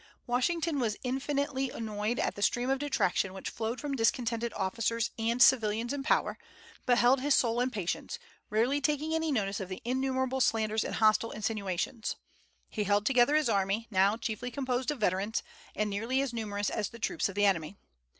Washington was infinitely annoyed at the stream of detraction which flowed from discontented officers, and civilians in power, but held his soul in patience, rarely taking any notice of the innumerable slanders and hostile insinuations. He held together his army, now chiefly composed of veterans, and nearly as numerous as the troops of the enemy.